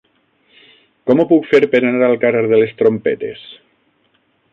Com ho puc fer per anar al carrer de les Trompetes?